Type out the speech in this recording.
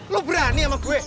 lo berani sama gue